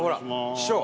師匠。